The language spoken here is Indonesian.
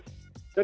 dan kita menjaga